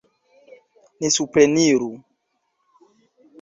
Ni supreniru!